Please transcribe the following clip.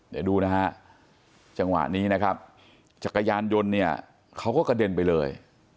เดี๋ยวดูนะฮะจังหวะนี้นะครับจักรยานยนต์เนี่ยเขาก็กระเด็นไปเลย